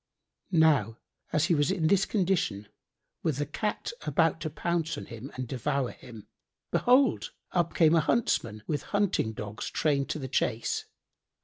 Now as he was in this condition, with the Cat about to pounce on him and devour him, behold, up came a huntsman, with hunting dogs trained to the chase.